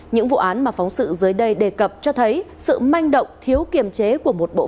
những vụ án mà phóng sự dưới đây đề cập cho thấy sự manh động thiếu kiềm chế của một bộ